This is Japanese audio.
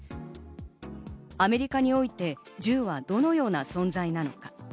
アメリカにおいて銃はどのような存在なのか。